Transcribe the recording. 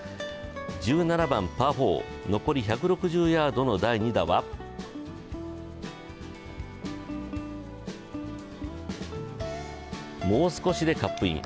１７番・パー４、残り１６０ヤードの第２打はもう少しでカップイン。